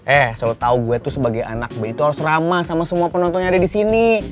eh selalu tau gua tuh sebagai anak band itu harus ramah sama semua penonton yang ada disini